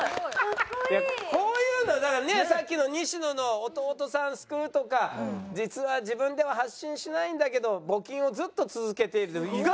こういうのだからさっきの西野の弟さん救うとか実は自分では発信しないんだけど募金をずっと続けている。